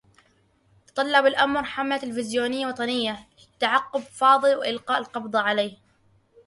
تطلّب الأمر حملة تلفزيونية وطنية لتعقّب فاضل و إلقاء القبض عليه.